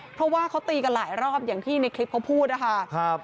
เพราะว่าเขาตีกันหลายรอบอย่างที่ในคลิปเขาพูดนะคะ